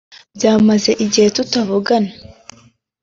Byamaze igihe tutavugana